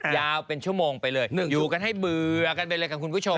ยาวเป็นชั่วโมงไปเลยอยู่กันให้เบื่อกันไปเลยค่ะคุณผู้ชม